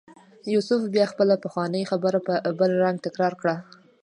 یوسف بیا خپله پخوانۍ خبره په بل رنګ تکرار کړه.